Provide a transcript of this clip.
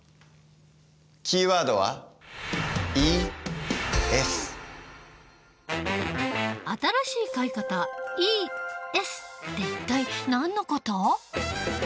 キーワードは新しい買い方「ＥＳ」って一体何の事？